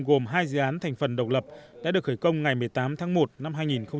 gồm hai dự án thành phần độc lập đã được khởi công ngày một mươi tám tháng một năm hai nghìn một mươi chín